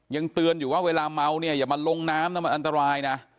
ยังเตือนอยู่ว่าเวลาเมาเนี่ยอย่ามาลงน้ำนะมันอันตรายนะ